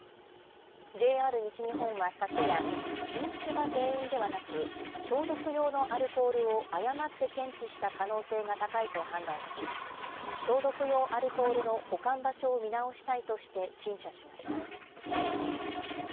ＪＲ西日本は昨夜、飲酒が原因ではなく、消毒用のアルコールを誤って検知した可能性が高いと判断し、消毒用アルコールの保管場所を見直したいとして、陳謝しました。